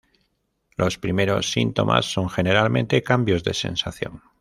Los primeros síntomas son generalmente cambios de sensación.